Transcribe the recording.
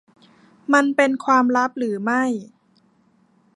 มันเป็นความลับหรือไม่ ?